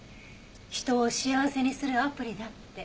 人を幸せにするアプリだって。